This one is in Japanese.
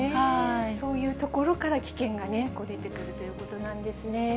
そういうところから危険が出てくるということなんですね。